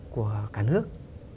của cả nước